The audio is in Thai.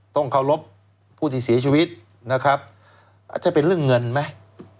ต้องเคารพผู้ที่เสียชีวิตนะครับอาจจะเป็นเรื่องเงินไหม